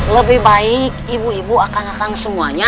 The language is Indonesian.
lebih baik ibu ibu akan datang semuanya